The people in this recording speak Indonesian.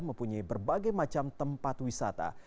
mempunyai berbagai macam tempat wisata